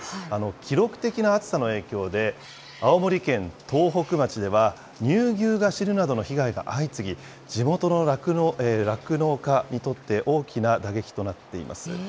記録的な暑さの影響で、青森県東北町では、乳牛が死ぬなどの被害が相次ぎ、地元の酪農家にとって大きな打撃となっています。